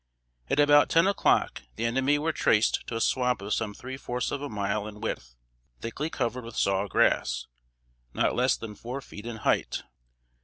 At about ten o'clock, the enemy were traced to a swamp of some three fourths of a mile in width, thickly covered with saw grass, not less than four feet in height.